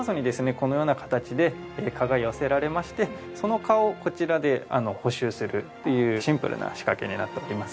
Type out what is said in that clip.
このような形で蚊が寄せられましてその蚊をこちらで捕集するというシンプルな仕掛けになっております。